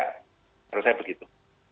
kalau saya begitu